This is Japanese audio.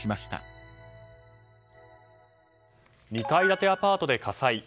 ２階建てアパートで火災。